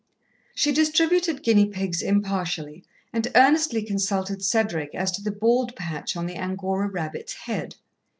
She distributed guinea pigs impartially, and earnestly consulted Cedric as to the bald patch on the Angora rabbit's head.